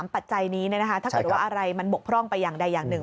๓ปรัจจัยนี้ถ้าเกิดว่าอะไรมะบกพร่องไปอย่างนึง